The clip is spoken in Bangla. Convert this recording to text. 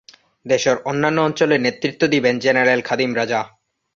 দেশের অন্যান্য অঞ্চলে নেতৃত্ব দিবেন জেনারেল খাদিম রাজা।